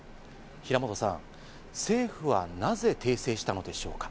平本さん、政府はなぜ訂正したのでしょうか？